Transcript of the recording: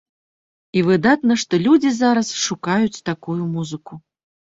І выдатна, што людзі зараз шукаюць такую музыку.